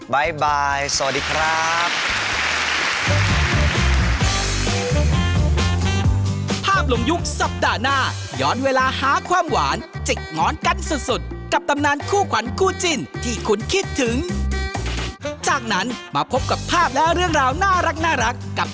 บ่ายสวัสดีครับ